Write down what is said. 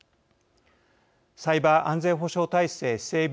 サイバー安全保障体制整備